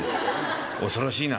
恐ろしいな」。